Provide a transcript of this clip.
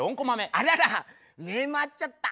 あらら目回っちゃった。